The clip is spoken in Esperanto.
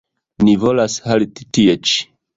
Ni volas halti tie ĉi.